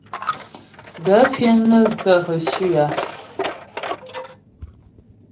Gaə̂ fíŋ nə́ ghə̀ reçu a ?